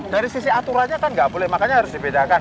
dari sisi aturannya kan nggak boleh makanya harus dibedakan